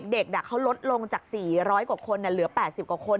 เด็กเขาลดลงจาก๔๐๐กว่าคนเหลือ๘๐กว่าคน